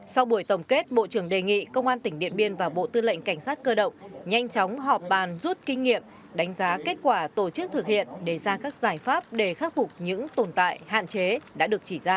sau buổi tổng kết bộ trưởng đề nghị công an tỉnh điện biên và bộ tư lệnh cảnh sát cơ động nhanh chóng họp bàn rút kinh nghiệm đánh giá kết quả tổ chức thực hiện đề ra các giải pháp để khắc phục những tồn tại hạn chế đã được chỉ ra